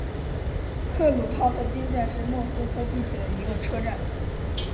克鲁泡特金站是莫斯科地铁的一个车站。